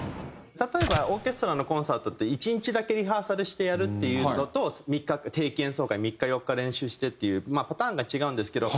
例えばオーケストラのコンサートって１日だけリハーサルしてやるっていうのと定期演奏会３日４日練習してっていうまあパターンが違うんですけど。